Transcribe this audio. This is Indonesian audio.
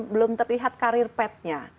belum terlihat karir petnya